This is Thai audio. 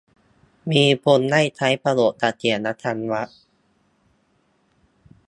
มีคนได้ใช้ประโยชน์จากเสียงระฆังวัด